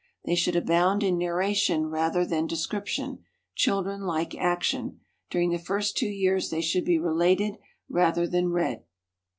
They should abound in narration rather than description. Children like action. During the first two years they should be related rather than read.